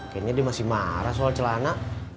kayaknya dia masih marah soal celana